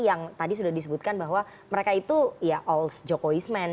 signature nya desen bobby ada ni yang išayirekan dia keindah ulang kekuasaan ini dis fue membrant